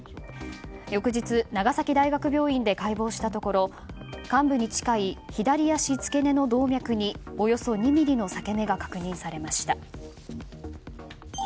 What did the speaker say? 翌日、長崎大学病院で解剖したところ患部に近い左足付け根の動脈におよそ２ｍｍの裂け目が確認されました。